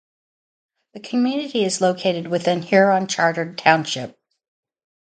The community is located within Huron Charter Township.